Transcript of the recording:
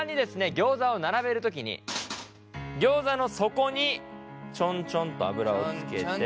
ギョーザを並べる時にギョーザの底にチョンチョンと油をつけて。